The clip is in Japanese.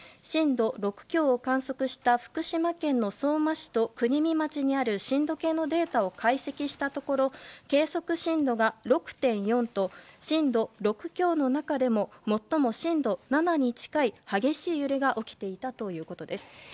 震度６強を観測した福島県の相馬市と国見町にある震度計のデータを解析したところ計測震度が６．４と震度６強の中でも最も震度７に近い激しい揺れが起きていたということです。